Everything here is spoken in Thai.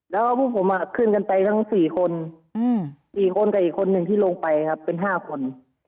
แล้วพวกผมขึ้นกันไปทั้ง๔คน๔คนกับอีกคนหนึ่งที่ลงไปครับเป็น๕คน